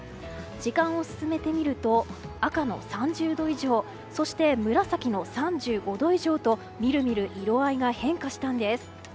時間を進めてみると赤の３０度以上そして紫の３５度以上とみるみる色合いが変化したんです。